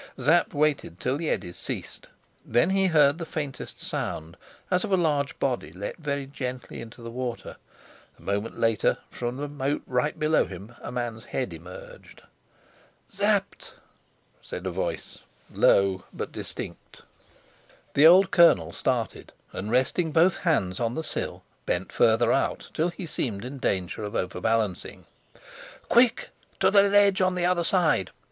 Sapt waited till the eddies ceased. Then he heard the faintest sound, as of a large body let very gently into the water; a moment later, from the moat right below him, a man's head emerged. "Sapt!" said a voice, low but distinct. The old colonel started, and, resting both hands on the sill, bent further out, till he seemed in danger of overbalancing. "Quick to the ledge on the other side.